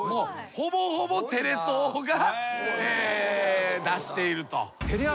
ほぼほぼテレ東が出していると。